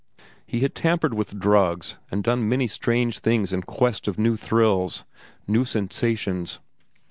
He had tampered with drugs and done many strange things in quest of new thrills, new sensations.